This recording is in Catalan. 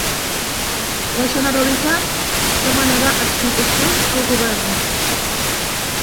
La Generalitat demanarà explicacions al govern